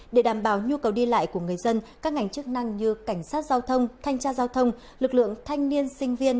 để đảm bảo nhu cầu đi lại của người dân các ngành chức năng như cảnh sát giao thông thanh tra giao thông lực lượng thanh niên sinh viên